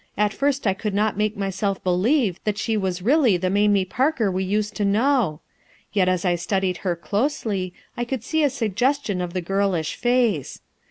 At first I could not make myself believe that she was really the Mamie Parker we used to know. Yet as I studied her closely I could see a sug gestion of the girlish face.